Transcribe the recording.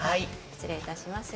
失礼いたします。